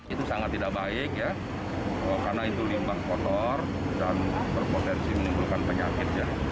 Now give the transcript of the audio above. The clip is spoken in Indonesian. itu sangat tidak baik ya karena itu limbah kotor dan berpotensi menimbulkan penyakit ya